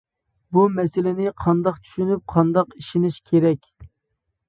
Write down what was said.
بۇ مەسىلىنى قانداق چۈشىنىپ قانداق ئىشىنىش كېرەك.